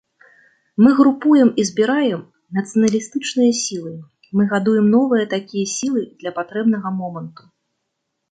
Мы групуем і збіраем нацыяналістычныя сілы, мы гадуем новыя такія сілы для патрэбнага моманту.